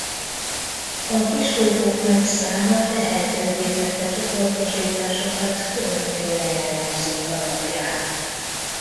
A kisbolygók nagy száma lehetővé tette csoportosításukat különféle jellemzők alapján.